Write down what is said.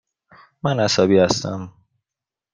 من عصبی هستم.